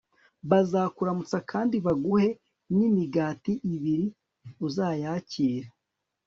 bazakuramutsa kandi baguhe n'imigati ibiri: uzayakire